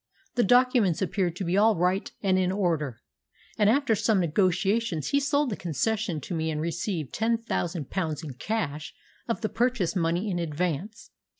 The documents appeared to be all right and in order, and after some negotiations he sold the concession to me and received ten thousand pounds in cash of the purchase money in advance.